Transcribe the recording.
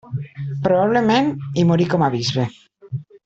Probablement, hi morí com a bisbe.